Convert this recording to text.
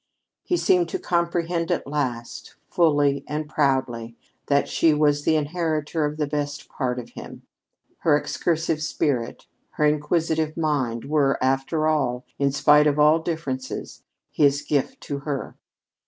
He seemed to comprehend at last, fully and proudly, that she was the inheritor of the best part of him. Her excursive spirit, her inquisitive mind, were, after all, in spite of all differences, his gift to her.